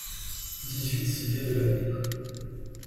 dix-huit cité de l'Avenir